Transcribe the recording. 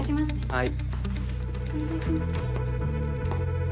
はい。